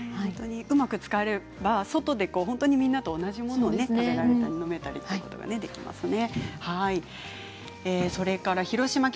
うまく使えば外でみんなと同じものを食べられたりなめたり、できますね。